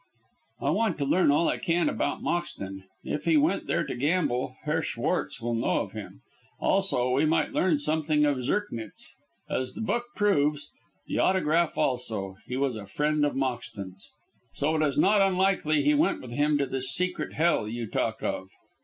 "I want to learn all I can about Moxton. If he went there to gamble, Herr Schwartz will know of him. Also we might learn something of Zirknitz. As the book proves, the autograph also, he was a friend of Moxton's, so it is not unlikely he went with him to this secret hell you talk of."